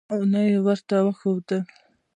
یوې ونې ته ور وښوېد.